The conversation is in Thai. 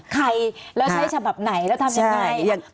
ใครแล้วใช้ฉบับไหนแล้วทำยังไง